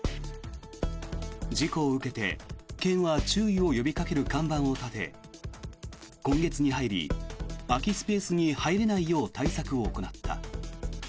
事故を受けて、県は注意を呼びかける看板を立て今月に入り空きスペースに入れないよう対策を行った。